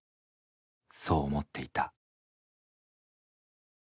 そう思っていた。